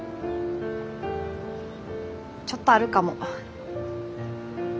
ちょっとあるかも。